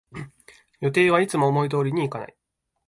予定はいつも思い通りにいかない